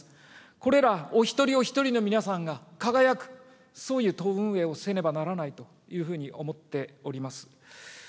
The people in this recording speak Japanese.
これらお一人お一人の皆さんが輝く、そういう党運営をせねばならないというふうに思っております。